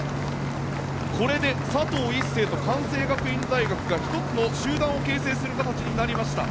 これで佐藤一世と関西学院大学が１つの集団を形成する形になりました。